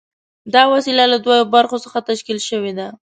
دا وسیله له دوو برخو څخه تشکیل شوې ده.